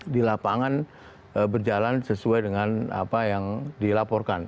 di lapangan berjalan sesuai dengan apa yang dilaporkan